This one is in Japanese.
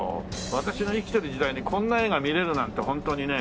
私の生きてる時代にこんな画が見られるなんてホントにね。